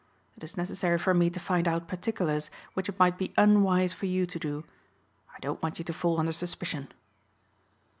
It is necessary for me to find out particulars which it might be unwise for you to do. I don't want you to fall under suspicion."